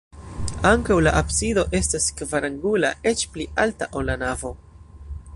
Ankaŭ la absido estas kvarangula, eĉ pli alta, ol la navo.